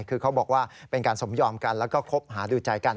คือเขาบอกว่าเป็นการสมยอมกันแล้วก็คบหาดูใจกัน